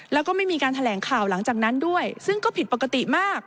แล้วก็ไม่มีการแถลงข่าวหลังจากนั้นด้วยซึ่งก็ผิดปกติมาก